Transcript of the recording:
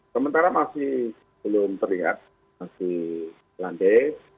sementara masih belum terlihat masih landai